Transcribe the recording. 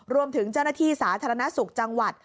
รวมถึงเจ้าหน้าที่สาธารณสุขจังหวัด